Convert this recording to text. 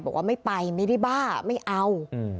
บอกว่าไม่ไปไม่ได้บ้าไม่เอา